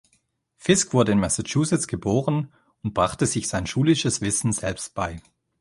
Fisk wurde in Massachusetts geboren und brachte sich sein schulisches Wissen selbst bei.